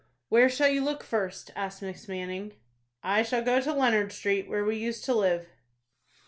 "Where shall you look first?" asked Miss Manning. "I shall go to Leonard Street, where we used to live."